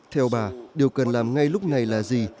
theo bà điều cần làm ngay lúc này là gì